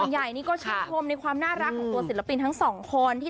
ใหญ่นี่ก็ชื่นชมในความน่ารักของตัวศิลปินทั้งสองคน